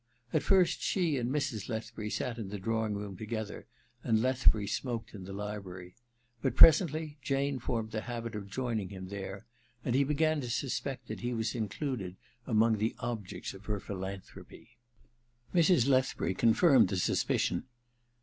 At first she and Mrs. Lethbury sat in the drawing room together, and Lethbury smoked in the library ; but presently Jane formed the habit of joining him there, and he began to suspect that he was included among the objects of her philanthropy. Mrs. Lethbury confirmed the suspicion.